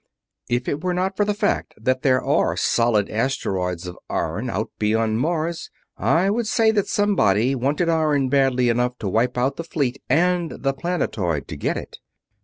"If it were not for the fact that there are solid asteroids of iron out beyond Mars, I would say that somebody wanted iron badly enough to wipe out the fleet and the planetoid to get it.